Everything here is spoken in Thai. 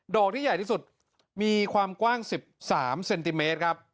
อกที่ใหญ่ที่สุดมีความกว้าง๑๓เซนติเมตรครับ